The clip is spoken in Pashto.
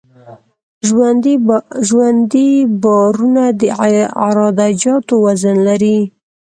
ژوندي بارونه د عراده جاتو وزن دی